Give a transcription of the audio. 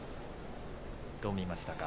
どう見ましたか。